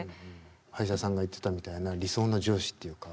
林田さんが言ってたみたいな理想の上司っていうか。